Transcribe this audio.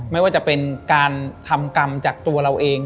ไม่ว่าจะเป็นการทำกรรมจากตัวเราเอง